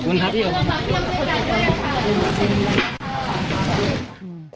ขอบคุณค่ะพี่หยุด